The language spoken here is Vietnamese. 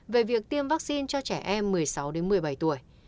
về việc tiêm vaccine cho trẻ em một mươi sáu một mươi bảy tuổi